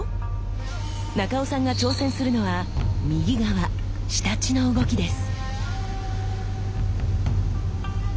中尾さんが挑戦するのは右側仕太刀の動きです。